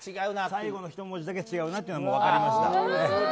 最後の１文字だけ違うなっていうのは分かりました。